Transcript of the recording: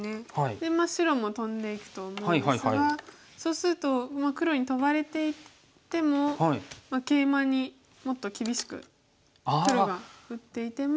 で白もトンでいくと思うんですがそうすると黒にトバれていってもケイマにもっと厳しく黒が打っていても。